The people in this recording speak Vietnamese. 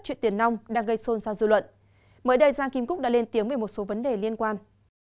chuyện tiền nong đang gây xôn xa dư luận mới đây giang kim cúc đã lên tiếng về một số vấn đề liên quan